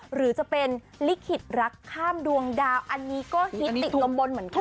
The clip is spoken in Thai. หรือจะเป็นลิขิตรักข้ามดวงดาวอันนี้ก็ฮิตติดลมบนเหมือนกัน